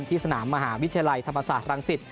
ที่สนามมหาวิทยาลัยธรรมศาสตร์รังสิต